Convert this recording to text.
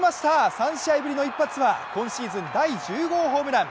３試合ぶりの一発は今シーズン第１０号ホームラン。